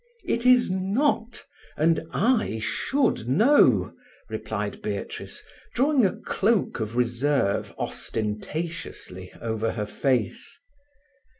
"It is not—and I should know," replied Beatrice, drawing a cloak of reserve ostentatiously over her face.